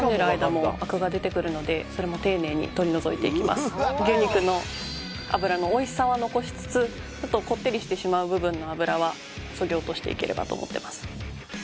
ここからこの２時間牛肉の脂のおいしさは残しつつちょっとこってりしてしまう部分の脂はそぎ落としていければと思ってます